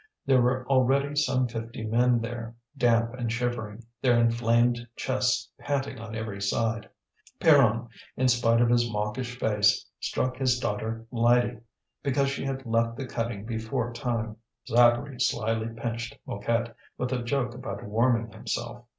There were already some fifty men there, damp and shivering, their inflamed chests panting on every side. Pierron, in spite of his mawkish face, struck his daughter Lydie, because she had left the cutting before time. Zacharie slyly pinched Mouquette, with a joke about warming himself.